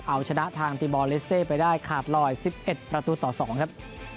เอาชนะทางตีบอลเลสเต้ไปได้ขาดลอย๑๑ประตูต่อ๒ครับ